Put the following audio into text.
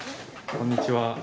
こんにちは。